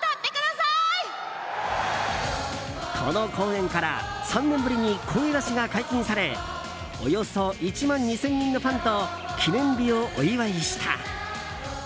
この公演から３年ぶりに声出しが解禁されおよそ１万２０００人のファンと記念日をお祝いした。